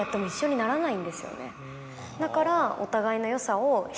だから。